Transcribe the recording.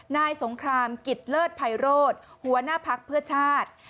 นายสงครามกิจเลิศภัยโรธหัวหน้าภักดิ์เพื่อชาติ